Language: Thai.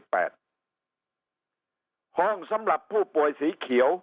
ห้องสำหรับผู้ป่วยสีเขียว